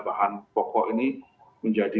bahan pokok ini menjadi